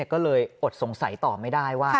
ก็เลยอดสงสัยต่อไม่ได้ว่า